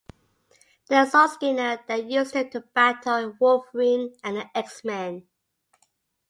The Soul Skinner then used him to battle Wolverine and the X-Men.